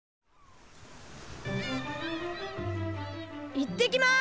いってきます！